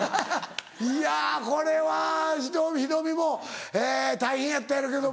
いやこれはヒロミも大変やったやろうけども。